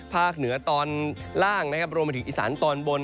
เหนือตอนล่างนะครับรวมไปถึงอีสานตอนบน